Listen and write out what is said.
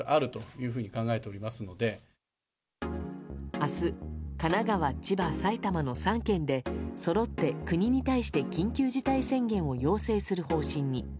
明日神奈川、千葉、埼玉の３県でそろって国に対して緊急事態宣言を要請する方針に。